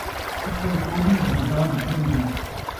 شکل ڳوہ دی ، مزاج پری دا